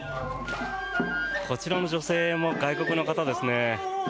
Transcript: こちらの女性も外国の方ですね。